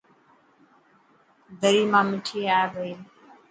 دري مان مٺي آئي پئي.